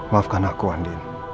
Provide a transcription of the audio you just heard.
maafkan aku andin